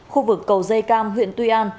khu vực cầu dây cam huyện tuy an